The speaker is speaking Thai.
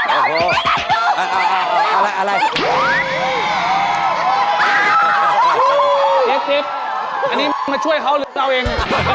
อันนี้เมืองมาช่วยเขาหรือตัวเอง